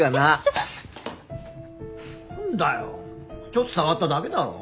ちょっと触っただけだろ？